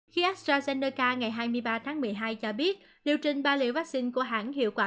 khi astrazeneca ngày hai mươi ba tháng một mươi hai cho biết liệu trình ba liệu vắc xin của hãng hiệu quả